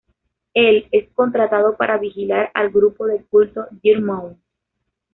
Él es contratado para vigilar al grupo de culto Deer Mount.